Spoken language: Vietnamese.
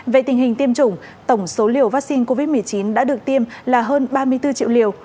về tình hình tiêm chủng tổng số liều vaccine covid một mươi chín đã được tiêm là hơn ba mươi bốn triệu liều